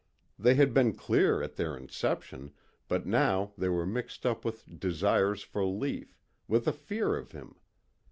They had been clear at their inception but now they were mixed up with desires for Lief, with a fear of him.